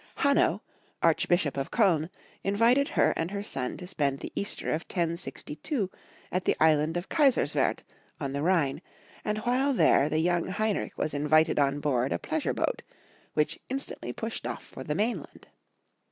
Hanno, archbishop of Koln, invited her and her son to spend the Easter of 1062 at the island of Kaiserswerth, on the Rhine, and while there the young Heinrich was invited on board a pleasure boat, which instantly pushed off for the mainland.